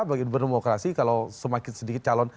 bagi berdemokrasi kalau semakin sedikit calon